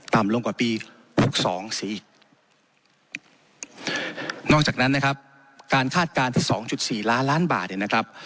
ต่ำลงกว่าปีหกสองสีอีกนอกจากนั้นนะครับการคาดการณ์ที่สองจุดสี่ล้านล้านบาทเนี่ยนะครับ